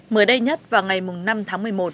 mới đây nhất vào ngày năm tháng một mươi một